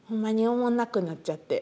おもんなくなっちゃって。